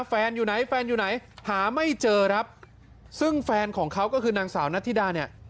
แฟนอยู่ไหนแฟนอยู่ไหนหาไม่เจอครับซึ่งแฟนของเขาก็คือนางสาวนัทธิดาเนี่ย